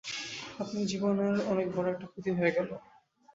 আপনার জীবনের অনেক বড় একটা ক্ষতি হয়ে গেলো।